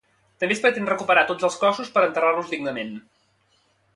També es pretén recuperar tots els cossos per enterrar-los dignament.